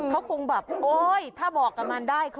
เขาคงแบบโอ๊ยถ้าบอกกับมันได้